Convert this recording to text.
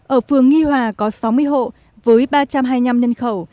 ở phường nghi hòa có sáu mươi hộ với ba trăm hai mươi năm nhân khẩu